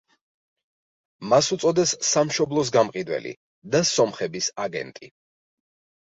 მას უწოდეს „სამშობლოს გამყიდველი“ და „სომხების აგენტი“.